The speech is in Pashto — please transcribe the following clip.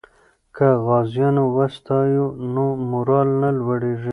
که غازیان وستایو نو مورال نه لویږي.